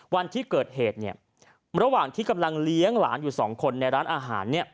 วันที่เกิดเหตุเนี่ยระหว่างที่กำลังเลี้ยงหลานอยู่สองคนในร้านอาหาร